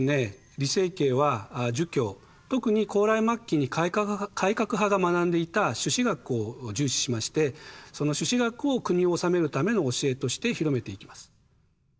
李成桂は儒教特に高麗末期に改革派が学んでいた朱子学を重視しましてその朱子学を国を治めるための教えとして広めていきます。